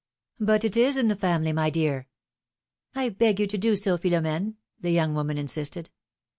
But it is in the family, my dear !" beg you to do so, Philornene," the young woman insisted.